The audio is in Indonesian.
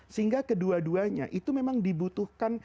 sehingga kedua duanya itu memang dibutuhkan